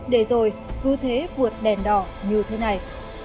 để rồi cứ thế vượt đèn đỏ như thế này